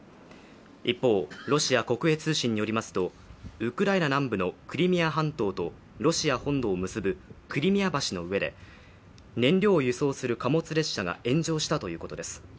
一方、ロシア国営通信によりますとウクライナ南部のクリミア半島とロシア本土を結ぶクリミア橋の上で燃料を輸送する貨物列車が炎上したということです。